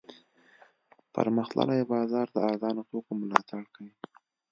پرمختللی بازار د ارزانه توکو ملاتړ کوي.